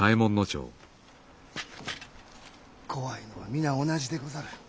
怖いのは皆同じでござる。